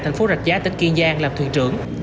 thành phố rạch giá tỉnh kiên giang làm thuyền trưởng